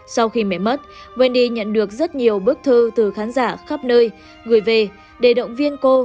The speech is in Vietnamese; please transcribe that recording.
sau khi mẹ mất wendy nhận được rất nhiều bức thư từ khán giả khắp nơi gửi về để động viên cô